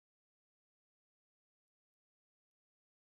کټه اندي څملستوب زده کو؛ ترينو